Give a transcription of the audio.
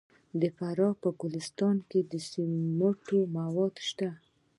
د فراه په ګلستان کې د سمنټو مواد شته.